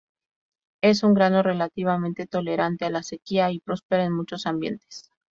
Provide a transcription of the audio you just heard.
Es un grano relativamente tolerante a la sequía, y prospera en muchos ambientes.